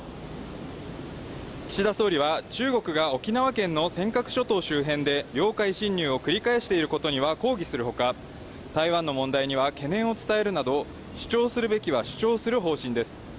岸田総理は、中国が、沖縄県の尖閣諸島周辺で領海侵入を繰り返していることには抗議するほか、台湾の問題には懸念を伝えるなど、主張するべきは主張する方針です。